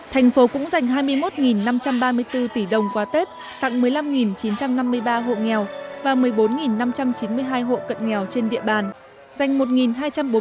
thành phố cũng dành hai mươi một năm trăm ba mươi bốn tỷ đồng qua tết tặng một mươi năm chín trăm năm mươi ba hộ nghèo và một mươi bốn năm trăm chín mươi hai hộ cận nghèo trên địa bàn